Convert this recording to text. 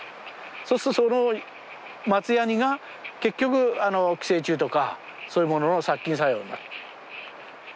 そうするとその松ヤニが結局寄生虫とかそういうものの殺菌作用になる。